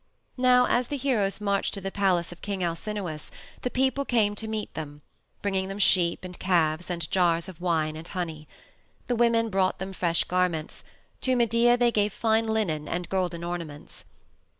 Now as the heroes marched to the palace of King Alcinous the people came to meet them, bringing them sheep and calves and jars of wine and honey. The women brought them fresh garments; to Medea they gave fine linen and golden ornaments.